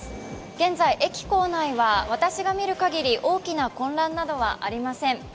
現在、駅構内は私が見るかぎり、大きな混乱などはありません。